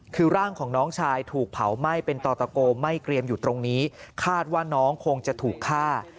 คือร่างของน้องชายถูกเผาไหม้เป็นต่อตะโกไหม้เกรียมอยู่ตรงนี้คาดว่าน้องคงจะถูกฆ่า